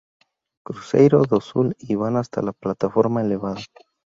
Cruzeiro do Sul y van hasta la plataforma elevada.